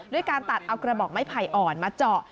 การตัดเอากระบอกไม้ไผ่อ่อนมาเจาะ